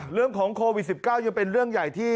เรื่องของโควิด๑๙ยังเป็นเรื่องใหญ่ที่